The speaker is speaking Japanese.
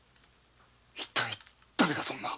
一体だれがそんな？